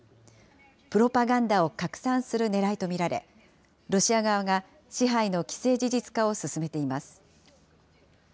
プロパガンダを拡散するねらいと見られ、ロシア側が支配の既成事実化を進めています。